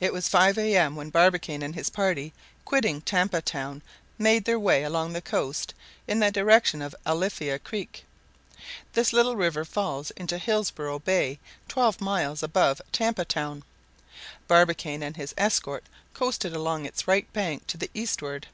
It was five A.M. when Barbicane and his party, quitting Tampa Town, made their way along the coast in the direction of Alifia Creek. This little river falls into Hillisborough Bay twelve miles above Tampa Town. Barbicane and his escort coasted along its right bank to the eastward.